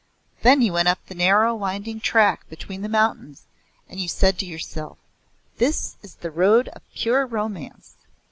Then you went up the narrow winding track between the mountains, and you said to yourself, 'This is the road of pure romance.